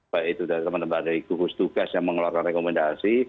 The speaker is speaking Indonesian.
baik itu dari teman teman dari gugus tugas yang mengeluarkan rekomendasi